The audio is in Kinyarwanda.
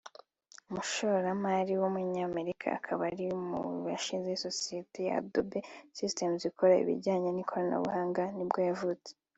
umushoramari w’umunyamerika akaba ari mu bashinze isosiyeti ya Adobe Systems ikora ibijyanye n’ikoranabuhanga nibwo yavutse